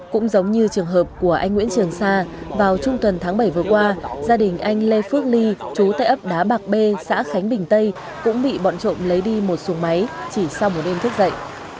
cũng giống như trường hợp của anh nguyễn trường sa vào trung tuần tháng bảy vừa qua gia đình anh lê phước ly chú tại ấp đá bạc b xã khánh bình tây cũng bị bọn trộm lấy đi một xuồng máy chỉ sau một đêm thức dậy